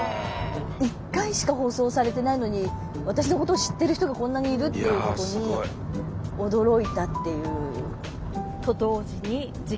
１回しか放送されてないのに私のことを知ってる人がこんなにいるっていうことに驚いたっていう。